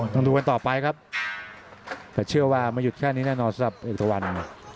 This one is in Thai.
ต้องดูกันต่อไปครับแต่เชื่อว่าไม่หยุดแค่นี้แน่นอนสำหรับเอกตะวัน